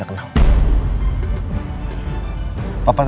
ada tujuan apa itu